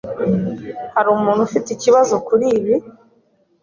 Hari umuntu ufite ikibazo kuri ibi?